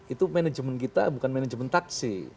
itu manajemen kita bukan manajemen taksi